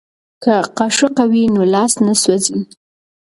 که قاشقه وي نو لاس نه سوځي.